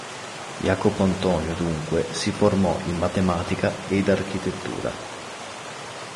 Jacopo Antonio dunque si formò in matematica ed architettura.